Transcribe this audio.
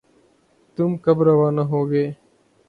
تم کب روانہ ہوگے؟